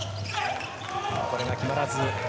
これが決まらず。